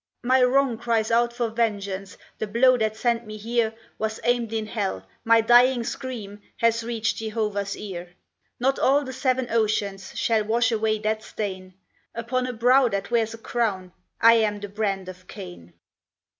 "My wrong cries out for vengeance, The blow that sent me here Was aimed in Hell. My dying scream Has reached Jehovah's ear. Not all the seven oceans Shall wash away that stain; Upon a brow that wears a crown I am the brand of Cain."